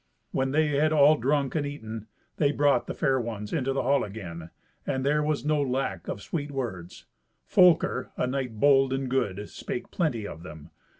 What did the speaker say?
When they had all drunk and eaten, they brought the fair ones into the hall again, and there was no lack of sweet words. Folker, a knight bold and good, spake plenty of them.